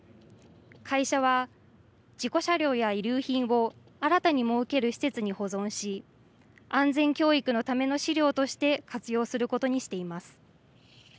会社は、事故車両や遺留品を新たに設ける施設に保存し、安全教育のための資料として活用することにしています。